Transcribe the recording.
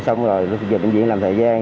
xong rồi bệnh viện làm thời gian